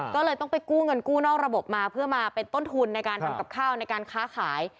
ก็เลยต้องไปกู้เงินกู้นอกระบบมาเพื่อมาเป็นต้นทุนในการทำกับข้าวในการค้าขาย